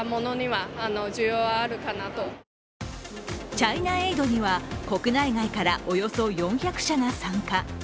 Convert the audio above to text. チャイナエイドには国内外からおよそ４００社が参加。